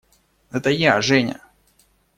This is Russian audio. Это я – Женя!